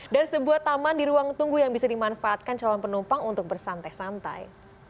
dan sebuah taman di ruang tunggu yang bisa dimanfaatkan calon penumpang untuk bersantai santai